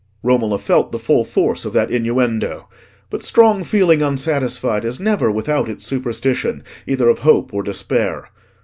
Romola felt the full force of that innuendo. But strong feeling unsatisfied is never without its superstition, either of hope or despair.